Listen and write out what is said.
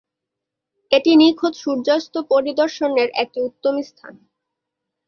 এটি নিখুঁত সূর্যাস্ত পরিদর্শনের একটি উত্তম স্থান।